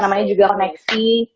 nama nya juga koneksi